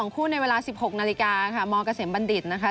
คู่ในเวลา๑๖นาฬิกาค่ะมเกษมบัณฑิตนะคะ